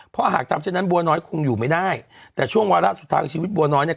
เพราะหากทำเช่นนั้นบัวน้อยคงอยู่ไม่ได้แต่ช่วงวาระสุดท้ายของชีวิตบัวน้อยเนี่ย